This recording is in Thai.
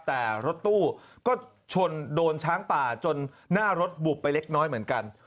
แต่รถตู้ก็ชนโดนช้างป่าจนหน้ารถบุบไปเล็กน้อยเหมือนกัน